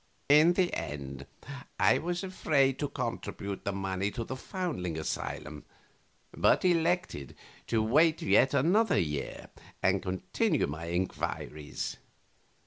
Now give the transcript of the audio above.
A. In the end I was afraid to contribute the money to the foundling asylum, but elected to wait yet another year and continue my inquiries.